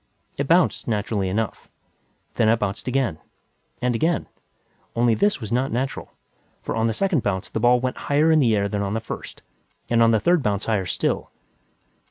It bounced, naturally enough. Then it bounced again. And again. Only this was not natural, for on the second bounce the ball went higher in the air than on the first, and on the third bounce higher still.